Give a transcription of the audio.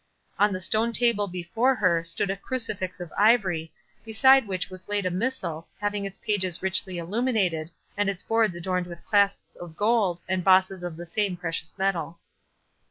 On the stone table before her stood a crucifix of ivory, beside which was laid a missal, having its pages richly illuminated, and its boards adorned with clasps of gold, and bosses of the same precious metal.